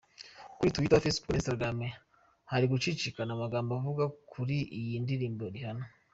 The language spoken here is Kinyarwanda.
Kuri Twitter, Facebook na Instagram, hari gucicikana amagambo avuga kuri iyi ndirimbo ‘Rihanna’.